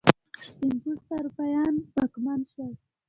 سپین پوسته اروپایان واکمن شول.